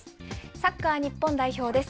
サッカー日本代表です。